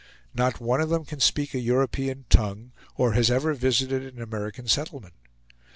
Not one of them can speak a European tongue, or has ever visited an American settlement.